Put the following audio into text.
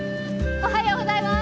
おはようございます。